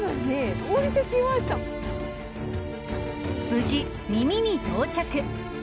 無事、耳に到着。